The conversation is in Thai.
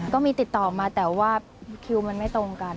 ก็มีติดต่อมาแต่ว่าคิวมันไม่ตรงกัน